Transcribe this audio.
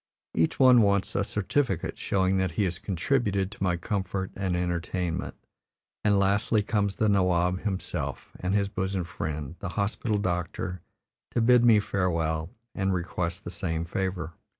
Each one wants a certificate showing that he has contributed to my comfort and entertainment, and lastly comes the nawab himself and his bosom friend, the hospital doctor, to bid me farewell and request the same favor.